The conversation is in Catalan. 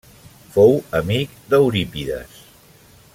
Fou amic d'Eurípides.